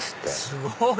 すごい！